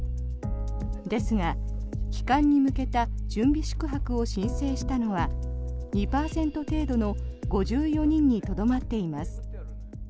ですが、帰還に向けた準備宿泊を申請したのは２％程度の５４人にとどまっています。